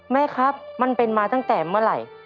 แม่ครับมันเป็นมาตั้งแต่เมื่อไหร่